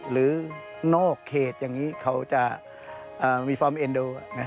หรือนอกเขตอย่างนี้เค้าจะมีความเอ็นโด